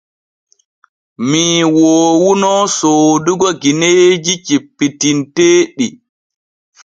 Mii woowuno soodugo gineeji cippitinteeɗi.